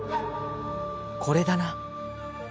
「これだな」。